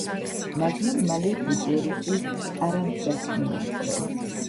მაგრამ მალე გუტიერესი კარანსას მიემხრო.